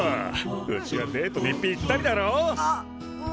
うちはデートにぴったりだろう。